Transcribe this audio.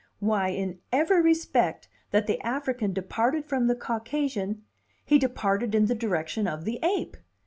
Why, in every respect that the African departed from the Caucasian, he departed in the direction of the ape!